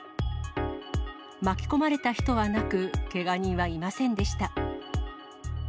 巻き込まれた人はなく、けが人はいませんでした。